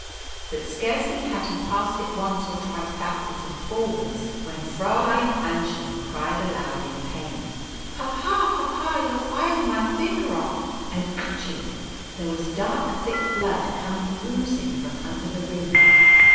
But scarcely had he passed it once or twice backwards and forwards when Fräulein Aennchen cried aloud in pain, "Papa, papa, you're filing my finger off!" And actually there was dark thick blood coming oozing from under the ring.